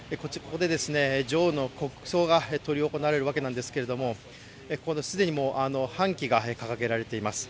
ここで、女王の国葬が執り行われるわけなんですけども既に半旗が掲げられています。